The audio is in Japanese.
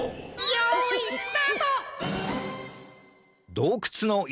よいスタート！